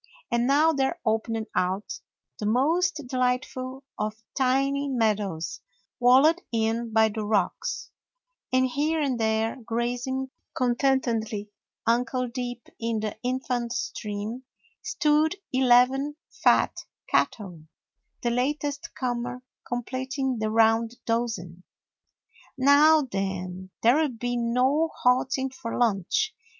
And now there opened out the most delightful of tiny meadows, walled in by the rocks, and here and there, grazing content edly, ankle deep in the infant stream, stood eleven fat cattle, the latest comer completing the round dozen. "Now then, there 'll be no halting for lunch.